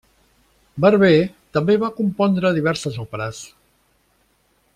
Barber també va compondre diverses òperes.